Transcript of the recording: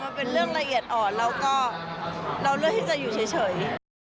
มันเป็นเรื่องละเอียดอ่อนแล้วก็เราเลือกที่จะอยู่เฉย